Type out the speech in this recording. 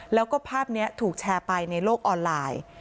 แล้วก็ภาพนี้ถูกแชร์ไปในโลกออนไลน์